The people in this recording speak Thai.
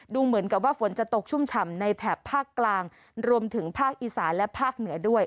เหมือนกับว่าฝนจะตกชุ่มฉ่ำในแถบภาคกลางรวมถึงภาคอีสานและภาคเหนือด้วย